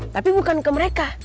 tapi bukan ke mereka